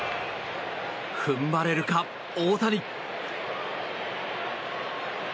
踏ん張れるか、大谷。